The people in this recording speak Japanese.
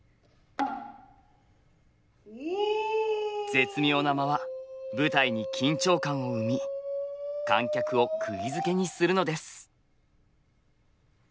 絶妙な間は舞台に緊張感を生み観客を釘付けにするのです。